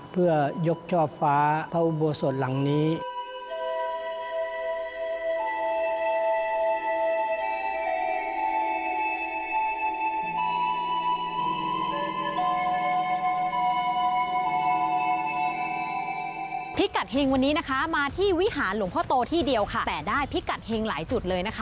พิกัดเฮงวันนี้นะคะมาที่วิหารหลวงพ่อโตที่เดียวค่ะแต่ได้พิกัดเฮงหลายจุดเลยนะคะ